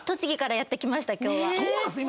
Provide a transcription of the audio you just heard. そうなんですね